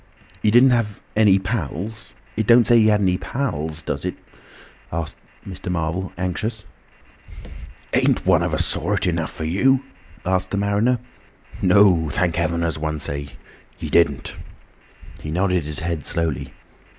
"He didn't have any pals—it don't say he had any pals, does it?" asked Mr. Marvel, anxious. "Ain't one of a sort enough for you?" asked the mariner. "No, thank Heaven, as one might say, he didn't." He nodded his head slowly.